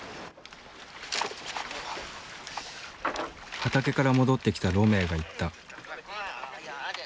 畑から戻ってきたロメウが言った。